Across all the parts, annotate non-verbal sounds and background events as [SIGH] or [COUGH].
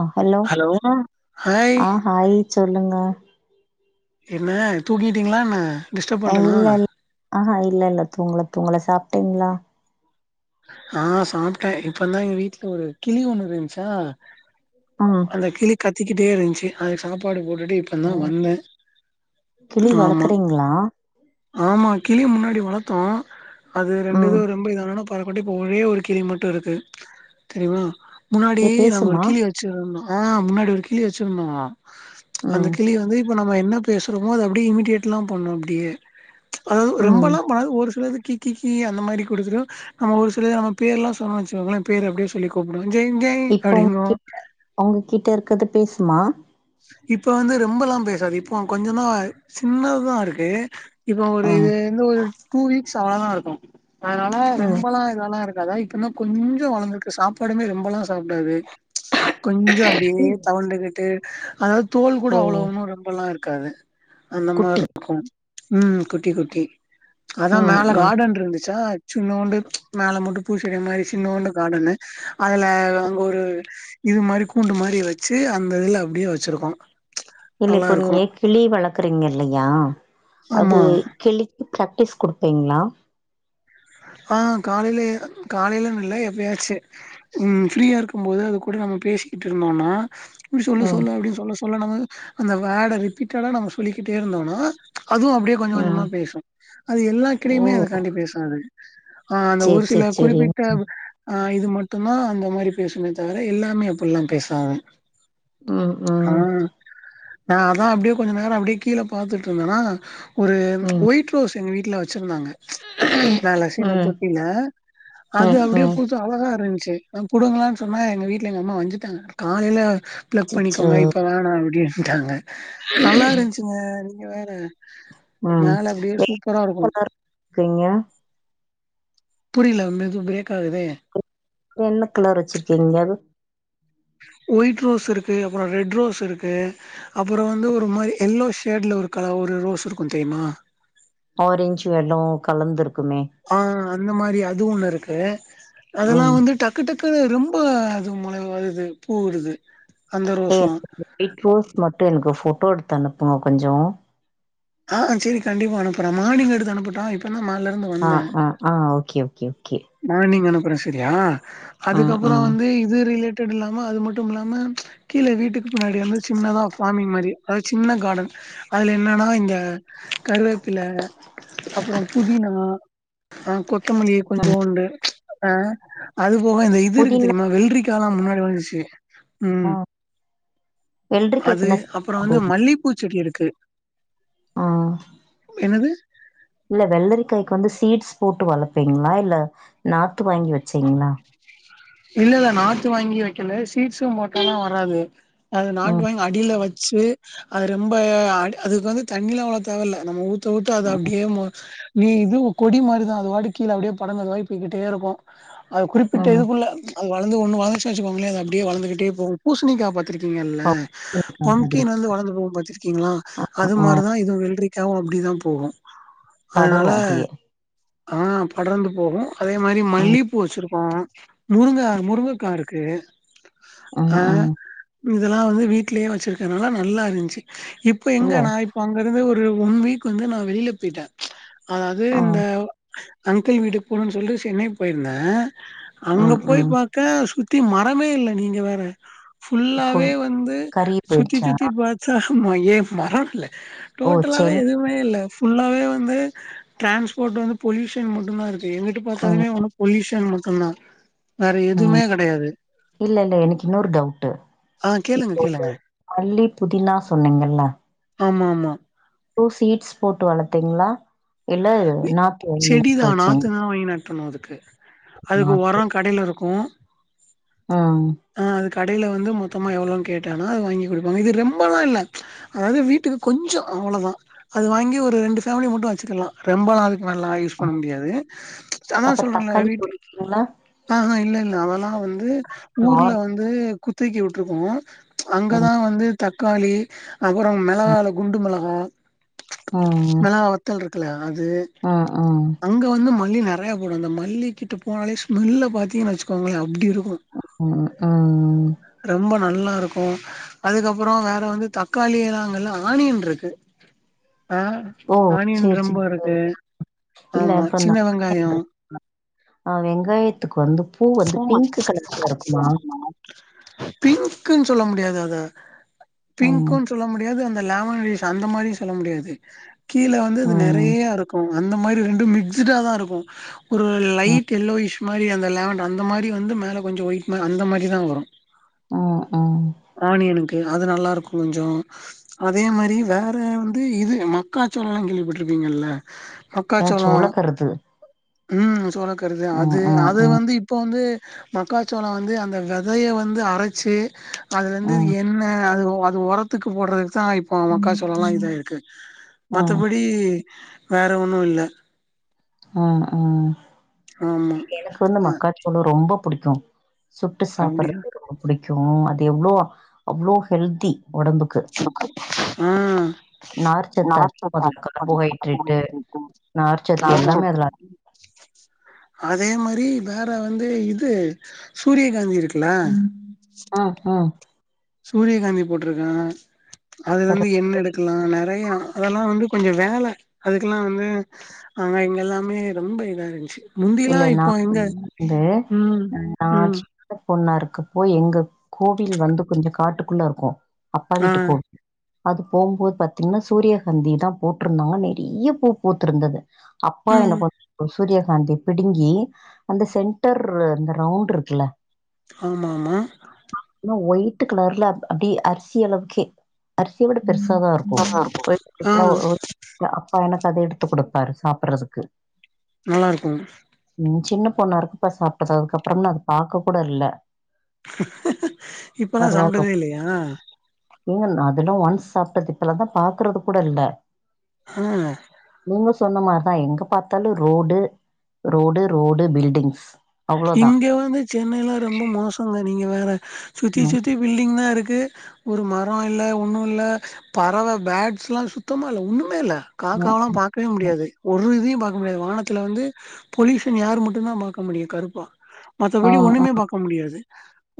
ஆ hello hi ஆ hi சொல்லுங்க. என்ன தூங்கிட்டீங்களா என்ன டிஸ்டர்ப் பண்ட்டனா இல்ல இல் ஆஹா இல்ல இல்ல தூங்கல தூங்கல சாப்டீங்களா ஆ சாப்ட்டே இப்பதா எங்க வீட்ல ஒரு கிளி ஒண்ணு இருந்துச்சா ஆ அந்த கிளி கத்திக்கிட்டே இருன்ச்சு அதுக்கு சாப்பாடு போட்டுட்டு இப்ப இப்பதா ஓ வந்தே கிளி ஆமா வளக்குறீங்களா ஆமா கிளி முன்னாடி வளத்தோ அது ரெண்டு இது ம் ரொம்ப இதானான பரக்கவுட்டு இப்ப ஒரே ஒரு கிளி மட்டு இருக்கு தெரியுமா முன்னாடி ஏ நாங்க ஒரு பேசுமா கிளி வச் வெச்சுருந்தோ முன்னாடி ஒரு கிளி வெச்சிருந்தோ அந்த ம் கிளி வந்து இப்ப நம்ம என்ன பேசுறோமோ அது அப்படி இமிட்டெட்ல்லா பண்ணு அப்டியே அதாவது ம் ரொம்பெல்லாம் ப ஒரு சிலது கி கி கி அந்த மாரி குடுத்துரு நம்ம ஒரு சிலது நம்ம பேர்லா சொன்னா வெச்சுகங்ளே பேர் அப்டியே சொல்லி கூப்டுவே ஜெய்ன் ஜெ இப்போ உங் கிட்ட உங்ககிட்ட இருக்கறது பேசுமா இப்ப வந்து ரெம்பல்லா பேசாது இப்போ கொஞ்சந்தா சின்னதுதா இருக்கு இப்போ ஒரு இது ம் வந்து ஒரு டூ வீக்ஸ் அவ்ளதா இருக்கும் அதனால ம் ரொம்பெலா இதெல்லா இருக் அதா இப்பந்தா கொஞ்சோ வளந்தருக்கு சாப்பாடுமே ரொம்பெல்லா சாப்பிடாது கொஞ்சோ அப்டியே தவண்டுகிட்டு அதாவது தோல் கூட ஓ அவ்வள ஒன்னும் ரொம்பல்லா இருக்காது அந்த குட்டி மார்ருக்கு ம் குட்டி குட்டி அதா ம் மேல ம் காடன் இருந்துச்சா சின்னோண்டு மேல மட்டு பூச்செடி மாரி சின்னோண்டு காடனு அதுல அங்கொரு இது மாரி கூண்டு மாரி வெச்சு அந்த இதுல அப்டியே வெச்சிருக்கோ இல்ல இப்போ நீங்க கிளி வளக்குறீங்க இல்லையா அது ஆமா கிளி பிராக்டிஸ் குடுப்பீங்ளா ஆ காலைல காலைலன் இல்ல எப்பயாச்சு ம் ஃப்ரீயா இருக்கும் போது அது கூட நம்ம பேசிக்கிட்டு இருந்தோனா இப்டி சொல்லி ம் சொல்ல அப்டி சொல்ல சொல்ல நம்ம அந்த வேட ரிப்பீட்டடா நம்ம சொல்லிக்கிட்டே இருந்தோன்னா அதுவும் அப்டியே கொஞ்ச ம் கொஞ்சமா பேசும் அது எல்லா ஓ கிடைய்மே அதுகாண்டி பேசாது ஆ அந்த சேரி ஒரு சேரி சில சேரி குறிப்பிட்ட ஆ இது மட்டுந்தா அந்த மாரி பேசுமே தவிர எல்லாமே அப்பல்லா பேசாது ம் ஆ ம் நா அதா அப்டியே கொஞ்ச நேரோ அப்டியே கீழ பாத்துட்ருந்தன்னா ஒரு ம் ஒயிட் ரோஸ் எங்க வீட்ல வச்சிருந்தாங்க மேல சீன ம் தொட்டிங்க அது ம் ம் அப்டியே பூத் அவ்ள தா இருந்துச்சு நாங் புடுங்களான் சொன்னே எங்க வீட்ல எங்கம்மா வஞ்சிட்டாங்க காலைல ப்ளக் அச்சச்சோ பண்ணிக்கோங்க இப்ப வேணா அப்டின்ட்டாங்க நல்லா இருந்ச்சுங்க நீங்க வேற ம் மேல அப்டியே சூப்பரா இருக்கு [INAUDIBLE] இருக்கிறீங்க புரிய்ல மெது பிரேக் ஆகுதே என்ன கலர் வச்சிருக்கீங்கள் ஒயிட் ரோஸ் இருக்கு அப்றோ ரெட் ரோஸ் இருக்கு அப்பறோ வந்து ஒரு மாரி எல்லோ ஷேட்ல ஒரு கல ஒரு ரோஸ் இருக்கும் தெரியுமா ஆரஞ்ச் வெல்லோ கலந்துருக்குமே ஆ அந்த மாரி அது ஒண்ணு இருக்கு அதெல்லா ம் வந்து ட க்கு டக்கு ரொம்ப அது மொளை வருது பூ விடுது அந்த ரோஸ்லா [INAUDIBLE] ஒயிட் ரோஸ் மட்டு எனக்கு போட்டோ எடுத்து அனுப்புங்க கொஞ்சோ ஆ செரி கண்டிப்பா அனுப்புறே மார்னிங் எடுத்து அனுப்புட்டா இப்ப தா மால்ல ஆ ஆ ஆ ஓகே ஓகே ஓகே மார்னிங் அனுப்புறே சரியா ம் அதுக்கப்பறோ ம் வந்து இது ரிலேட் டிடுலாம அது மட்டும் இல்லாம கீழ வீட்டுக்கு பின்னாடி வந்து சின்னதா ஃபார்மிங் மாரி அது சின்ன காடன் அதுல என்னன்னா இந்த கருவேப்பில அப்றோ புதினா ஆ கொத்தமல்லி ம் கொஞ்சோண்டு ஆ அது போக இந்த இது இருக்கு புதினா தெரியுமா வெள்ரிக்காலா முன்னாடி வளந்துச்சு ஆ ம் வெள்ளரிக்காய்க்கு அது என்ன சீட்ஸ் அப்பறோ வந்து போடுவீங்க? மல்லி பூச்சட்டி இருக்கு ஆ என்னது இல்ல வெள்ளரிக்காய்க்க வந்து சீட்ஸ் போட்டு வளப்பீங்ளா இல்ல நாத்து வாங்கி வெச்சீங்ளா இல்ல இல்ல நாத்து வாங்கி வைக்கல சீட்ஸும் போட்டோனோ வராது அது நாத்து ம் வாங்கி அடில வச்சு அது ரொம்ப அதுக்கு வந்து தண்ணியிலா அவ்ளோ தேவல்ல நம்ம ஊத்த ஊத்த அது ம் அப்டியே நீ இது கொடி மாரிதா அது வாட்டு கீழ அப்படியே படங்கறது அதுவாய் போய்கிட்டே இருக்கு அது குறிப்பிட்ட ம் இதுக்குள்ள அது வளந்து ஒன்னு வளந்துச்சு வச்சுக்கோங்களே அது அப்டியே வளந்துகிட்டே போகு பூசணிக்கா பா த்துருக்கீங்கல்ல ஓகே மாதிரி பம்கின் வந்து வளந்து போகு பாத்திருக்கீங்களா ஆ அது ஆ மாரிதா இதுவு வெல்ரிக்காகவு அப்டிதா போகும் படரு அதனால அப்டியே ஆ படர்ந்து போகும் அதே மாரி ம் மல்லி பூ வச்சிருப்போ முருங்கை முருங்கைக்கா இருக்கு ஆ ம் ம் இதெல்லா வந்து வீட்லயே வச்சிருக்கனால நல்லா இருந்துச்சு இப்ப எங்க இல்ல நா அங்கறந்து ஒரு ஒன் வீக் வந்து நா வெளியில போயிட்டே அதாவது ஆ இந்த அங்கிள் வீட்டுக்கு போகணுன்னு சொல்லிட்டு சென்னை போயிருந்தே அங்க ம் போய் ம் பாத் கா சுத்தி மரமே இல்ல நீங்க வேற ஃபுல் ஃபுல்லாவே வந்து கறி சுத்தி போயிடுச்சா சுத்தி பாத்தா ஏ மரோ இல்ல ஓ டோட்டலாவே சென் எதுவுமே இல்ல ஃபுல்லாவே வந்து ட்ரான்ஸ்போர்ட் வந்து பொல்யூஷன் மட்டுந்தா இருக்கு எங்கிட்டு ம் பாத்தாலுமே ஒண்ணும் பொல்யூஷன் மட்டுந்தா வேற எதுவுமே ம் கெடையாது இல்ல இல்ல எனக்கு இன்னொரு டவுட்டு ஆ கேளுங்க இப்போ கேளுங்க. மல்லி புதினா சொன்னிங்கல்ல ஆமா ஆமா டூ சீட்ஸ் போட்டு வளத்தீங்களா இல்ல நா செடி தா நாத்துதா வாங்கி நாட்டணு அதுக்கு அதுக்கு நாத்து ஒரோ கடையில இருக்கு ம் ஆ அது கடையில வந்து மொத்தமா எவ்வளன்னு கேட்டனா அது வாங்கி குடுப்பாங்க இது ரெம்பல்லா இல்ல அதாவது வீட்டுக்கு கொஞ்ச அவ்வளதா அது வாங்கி ஒரு ரெண்டு ஃபேமிலி மட்டு வச்சுக்கலா ரொம்பெல்லா அதுக்கு மேல [UNINTELLIGIBLE] பண்ண முடியாது அதா அப்ப சொல்றேன்ல தக்காளி வீட்டு போட்டுருக்கீங்களா ஆஹா இல்ல இல்ல அதெல்லா வந்து ஊர்ல நார் வந்து குத்தைக்கு விட்ருக்கோ ம் அங்கதா வந்து தக்காளி அப்பரம் ம் மெளகால குண்டு மெளகா மெளகா வத்தல் இருக்குல்ல அது ஆ ஆ அங்கே வந்து மல்லி நெறையா போடு அந்த மல்லிக்கிட்ட போனாலே ஸ்மெல்ல பாத்திங்கு வச்சுக்கோங்களே அப்டி இருக்கு ம் ஆ ரெம்ப நல்லா இருக்கு அதுக்கப்பறோ வேற வந்து தக்காளி நாங்கலா ஆனியன் இருக்கு ஆ ஓ ஆனியன் சேரி சேரி ரொம்போ இருக்கு சேரி ஆமா சின்ன வெங்காயோ அ வெங்காயத்துக்கு வந்து பூ வந்து பிங்க்கு கலர்ல இருக்குமா பிங்க்ன்னு சொல்ல முடியாது அத ம் பிங்க்குன்னு சொல்ல முடியாது அந்த லெமன் ஷ் அந்த மாதிரியு சொல்ல முடியாது கீழ வந்து இது ம் நெறையா இருக்கு அந்த மாரி ரெண்டு மிக்ஸ்டா தா இருக்கு ஒரு ஆ லைட் எல்லோ இஷ் மாரி அந்த லேமண்ட அந்த மாரி வந்து மேல கொஞ்ச ஒயிட் அந்த மாரிதா வரு ம் ம் ஆனியனுக்கு அது நல்லாருக்கு கொஞ்ச அதே மாரி வேற வந்து இது மக்காச்சோளல்லா கேள்விப்பட்ருக்கீங்கல்ல ஏதாச்சு மக்காச்சோளம் உழக்கறது ம் சோளக்கருது ம் அது ம் அது ம் வந்து இப் இப்போ வந்து மக்காச்சோள வந்து அந்த வெதைய வந்து அரைச்சு அது வந்து ம் என்ன அது அது ஒரத்துக்கு போடுறதுக்குதா இப்போ மக்காச்சோளல்லா இதாயிருக்கு ம் மத்தப அப்டி வேற ஒண்ணு இல்ல ம் ம் ஆமா எனக்கு வந்து அ மக்காச்சோளம் ரொம்ப புடிக்கும் சுட்டு அப்டியா சாப்பறது ரொம்ப பிடிக்கு அது எவ்வளோ அவ்வளோ ஹெல்தி ஒடம்புக்கு ம் நார்ச்சத்து ந சொ அதிகோ [UNINTELLIGIBLE] அதுல கார்போஹைட்ரேட்டு காசு நார்ச்சத்து இல்லன் எல்லாமே அதுல அதிகம். சொல்ட்டு அதே மாரி வேற வந்து இது சூரியகாந்தி இருக்குல ஆ ஆ சூரியகாந்தி போட்ருக்க சரி அதுலருந்து எண்ணெ எடுக்கலா நேர் நெறையா அதெல்லா வந்து கொஞ்ச வேல அதுக்கெல்லா வந்து அங்க இங்க எல்லாமே ரொம்ப இதா இருந்துச்சு முந்திலா இல்ல நா இப்போ எங்க வந்து ம் ஆ ம் ஆட்சி பொண்ணா இருக்கு போயி எங்க கோவில் வந்து கொஞ்ச காட்டுக்குள்ள இருக்கு அப்பா வீட்டு கோவ் உம் அது போம்போது பாத்தீங்னா சூரியகாந்திதா போட்ருந்தோ நெறைய பூ பூத்திருந்தது அப்பா என்ன ம் [INAUDIBLE] சூரியகாந்தி பிடுங்கி அந்த சென்டர் அந்த ரவுண்ட்ருக்குல்ல ஆமா ஆமா இன்னு ஒயிட்டு கலர்ல அப்டியே அரிசி அளவுக்கே அரிசிய விட பெருசா தா இருக்கு ஆ [INAUDIBLE] ஒர் அப்பா எனக்கு அத எடுத்து குடுப்பாரு சாப்புட்றதுக்கு நல்லாருக்குங்க ம் சின்ன பொண்ணா இருக்கப்ப சாப்பிட்டது அதுக் அப்புறம் அது பாக்க கூட இல்ல இப்பல்லா சாப்ட்டதே இல்லையா ஏன் அதெல்லா ஒன்ஸ் சாப்ட்டது இப்பெல்லா தா பாக்குறது கூட இல்ல ஆ நீங்க சொன்ன மாரிதா எங்க பாத்தாலு ரோடு ரோடு ரோடு பில்டிங்ஸ் அவ்ளோதா இங்க வந்து சென்னைலா ரொம்ப மோசங்க நீங்க வேற சுத்தி சுத்தி பில்டிங் தா இருக்கு ஒரு மரோ இல்ல ஒன்னு இல்ல பறவ பேட்ஸ்லா சுத்தமா இல்ல ஒண்ணுமே இல்ல காக்காவலா ம். பாக்கவே ம். முடியாது ஒரு இதையு பாக்க முடியாது வானத்துல வந்து பொலியூஷன் ஏர் மட்டுந்தா பாக்க இப்ப முடியு கருப்பா ஆ, மத்தபடி ஆ, ஒன்னுமே பாக்க முடியாது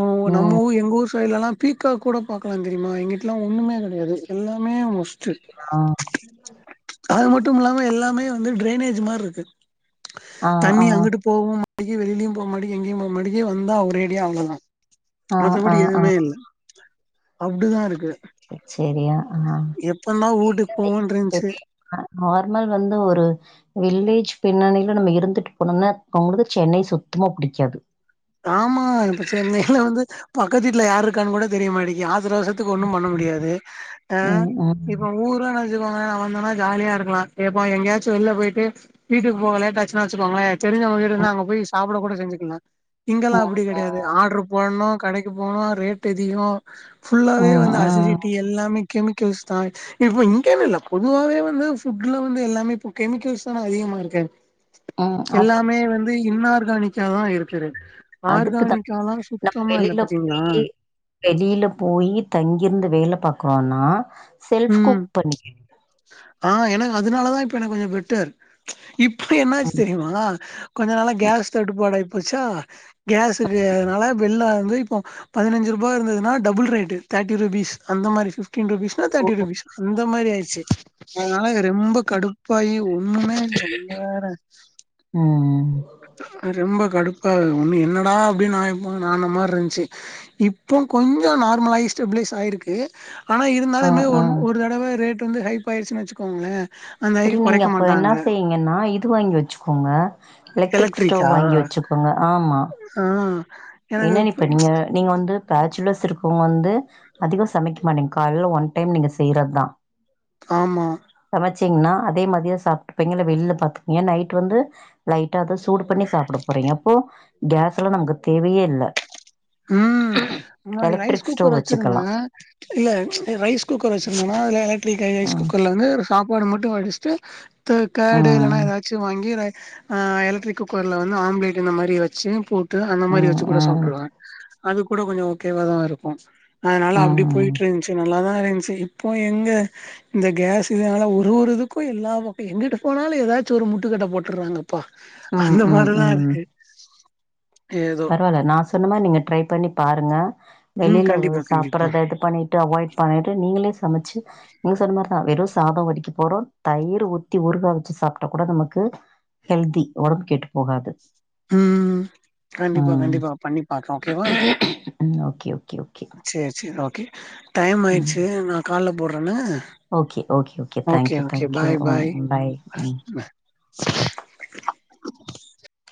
ம் நம்ம ஊரு எங்க ஊரு இப்ப இல்லனா பீக்காக் கூட பாக்கலா தெரியுமா இங்கிட்லா ஒன்னுமே கெடையாது எல்லாமே மோஸ் ஆ, அது மட்டுமில்லாம எல்லாமே வந்து ட்ரைனேஜ் மார்ருக்கு ஆ, ஆ, தண்ணி அங்கிட்டு போகவு மட்டிக்கிது வெளியிலயு போக மாடிக்கி எங்கேயு போ மாட்டிக்கி வந்தா அவ ஒரேடியா அவ்ளோ தா ஆ, ஆ, மத்தபடி ஆ. எதுவுமே இல்ல அப்டிதா இருக்கு சரி, சரி. ஆ. எப்பனா வீட்டுக்கு போவோன்ருந்துச்சு அ நார்மல் வந்து ஒரு வில்லேஜ் பின்னணியில நம்ம இருந்துட்டு போனோம்னா அவங்களுக்கு சென்னை சுத்தமா புடிக்காது ஆமா இப்ப சென்னையில வந்து பக்கத்து வீட்டுல யார்ருக்கான்னு கூட தெரிய மாட்டிக்கி ஆத்தர அவசத் த்துக்கு ஒன்னும் பண்ண முடியாது ஆ ம், ம், இத் நம்ம ஊர நெனைச்சுக்கோங்க நா வந்தனா ஜாலியா இருக்கலா ஏப்பா எங்கயாச்சு வெளில போயிட்டு வீட்டுக்கு போக லேட்டாச்சுனா வச்சுக்கோங்களே தெரிஞ்சவ்ங்க வீடு ம், இருந்தா அங்க போயி சாப்ட கூட செஞ்சுக்கலா ம், இங்கலா அப்டி கெடையாது ம், ஆர்ட்ரு போடணு கடைக்கு போனு ரேட் அதிகோ ஃபுல்லாவே ம், வந்து ம், அசிடிட்டி எல்லாமே கெமிக்கல்ஸ் தா இப்ப இங்கென்னு இல்ல பொதுவாவே வந்து ஃபுட்ல வந்து எல்லாமே இப்ப கெமிக்கல்ஸ் தான அதிகமா இருக்கு ம். அதுக்கு எல்லாமே வந்து இன்னார்கானிக்கா தா இருக்குரு அதுக்கு தான் ஆர்கானிக்காலா சுத்தமா இல்ல பாத்தீங்ளா வெளில போயி தங்கிருந்து வேல பாக்குறோனா செல்ஃப் ம் குக் பண்ணிக்க ஆ எனக்கு அதனாலதா இப்ப எனக்கு கொஞ்ச பெட்டர் இப்ப என்னாச்சு ம். தெரியுமா கொஞ்ச நாளா கேஸ் தட்டுப்பாடாயி போச்சா கேஸுக்கு அதனால வெள்ல வந்து இப்போ பதினஞ்சு ருபா இருந்ததுனா டபுல் ரேட்டு தேடிருபீஸ் அந்த மாரி ஃபிஃப்டின் ருபீ ல்லனா தேர்ட்டி ருபீஸ் அந்த மாரி ஆயிட்ச்சு அதனால இதுரொம்ப கடுப்பாயி ஒன்னுமே இல்ல நீங்க வேற ம் ரொம்ப கடுப்பாகுது ஒண்ணு என்னடா அப்டின்னு நஇப்போ நான மாரி இருந்துச்சு இப்போ கொஞ்சோ நார்மலாயி ஸ்டெபிலைஸ் ஆயிருக்கு ஆனா அ, இருந்தாலுமே ஆ. ஒன் ஒரு தடவ ரேட் வந்து ஹைப் ஆயிருச்சுன் வெச்சுக்கோங்களே அந்த ஐக்கு கொறைக்க மாட்டாங்க ங்கன்னா இது வாங்கி வெச்சுக்கோங்க எலக்ட்ரிக் ஸ்டவ் வாங்கி எலக்ட்ரிக்கா வெச்சுக்கோங்க ஆமா ஆ எனக்கு அது என்னன்னு இப்ப புரி நீங்க நீங்க வந்து பேச்சுலர்ஸ் இருக்கவ்ங் வந்து அதிகம் சமைக்க மாட்டீங்க கால்ல ஒன் டைம் நீங்க செய்யறது தா ஆமா சமைச்சிங்கன்னா அதே மதியம் சாப்ட்டுப்பீங்க இல்ல வெள்ல பாத்துப்பீங்க நைட் வந்து லைட் ட்டாதா சூடு பண்ணி சாப்பிட போறீங்க அப்போ கேஸுலா நமக்கு தேவையே இல்ல ம் முன்னாடி ரைஸ் எலக்ட்ரிக் குக்கர் ஸ்டவ் வச்சிருந்த வச்சுக்கலா இல்ல ரைஸ் குக்கர் வச்சிருந்தன்னா இது எலக்ட்ரிக் ரைஸ் ம் குக்கர்ல வந்து சாப்பாடு மட்டு வடிச்சுட்டு த்த கேடு இல்லனா ம் எதா ச்சு வாங்கிறே அ எலக்ட்ரிக் குக்கர்ல வந்து ஆம்லேட்டு இந்த மாரி வெச்ச போட் ட்டு அந்த மாரி ம் வச்சு கூட ம் சாப்ட்டுருவ அது கூட கொஞ்சம் ஓகேவாதா இருக்கு அதனால ம் அப்டி போயிட்டு ம் இருந்துச்சு நல்லாதான் இருந்துச்சு இப்போ எங்க இந்த கேஸ் இதனால ஒரு ஒரு இதுக்கு எல்லா பக்க எங்கிட்டு போனாலு ஏதாச்சு ஒரு முட்டுக்கட்ட போட்டுருறாங்க ப்பா ம் அந்த ம் மாரிலா ம் இருக்கு ஏதோ நா சொன்ன மாரி நீங்க ட்ரை பண்ணி பாருங்க ம் வெளியில கண்டிப்பா கண்டிப்பா சாப்பட்றத இது பண்ணி டு அவாய்ட் பண்ணிட்டு நீங்களே சமச்சு நீங்க சொன்ன மாரிதா வெறும் சாதம் வடிக்க போறோ தயிர் ஊத்தி உருகா வச்சு சாப்ட்டா கூட நமக்கு ஹெல்தி ஒடம்பு கெட்டு போகாது ம் கண்டிப்பா ம் கண்டிப்பா பண்ணி பாக்லா ஓகேவா ம் ஓகே ஓகே ஓகே சேர் சேரி ஓகே டைம் ம் ஆய்ர்ச்சி நா கால்ல போட்றன்ன okay okay okay thank you thank you ம் பாய் ம்